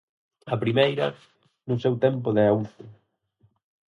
A primeira, no seu tempo de auxe.